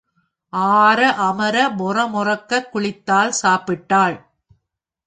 ஆர அமர, மொர மொரக்கக் குளித்தாள் சாப்பிட்டாள்.